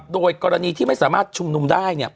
โดยกรณีที่ไม่สามารถชุมนุมได้เนี่ย